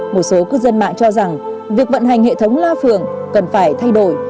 một số cư dân mạng cho rằng việc vận hành hệ thống la phường cần phải thay đổi